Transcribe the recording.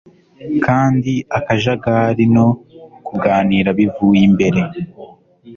Kandi akajagari no kuganira bivuye imbere